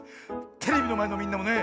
テレビのまえのみんなもね